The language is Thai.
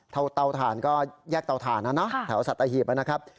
เตาถ่านก็แยกเตาถ่านนะเนาะแถวสัตหีบนะครับ